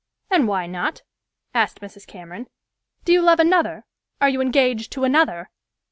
"And why not?" asked Mrs. Cameron. "Do you love another? Are you engaged to another?"